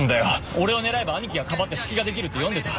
俺を狙えば兄貴がかばって隙ができるって読んでた。